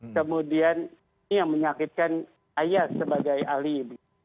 kemudian ini yang menyakitkan saya sebagai alim